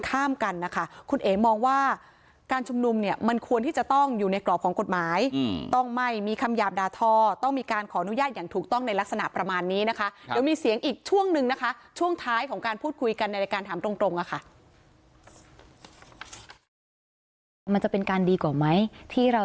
ครับรู้หรือเปล่าครับรู้หรือเปล่าครับรู้หรือเปล่าครับรู้หรือเปล่าครับรู้หรือเปล่าครับรู้หรือเปล่าครับรู้หรือเปล่าครับรู้หรือเปล่าครับรู้หรือเปล่าครับ